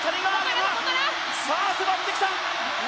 さあ、迫ってきた！